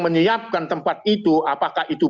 menyiapkan tempat itu apakah itu